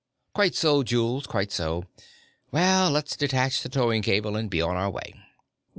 "Quite so, Jules; quite so. Well, let's detach the towing cable and be on our way."